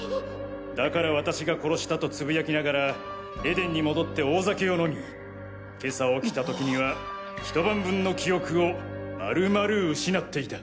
だから「私が殺した」と呟きながらＥＤＥＮに戻って大酒を飲み今朝起きた時にはひと晩分の記憶を丸々失っていた。